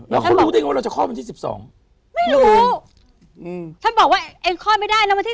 แล้วเขารู้ได้ไงว่าเราจะคลอดวันที่สิบสองไม่รู้อืมท่านบอกว่าเองคลอดไม่ได้นะวันที่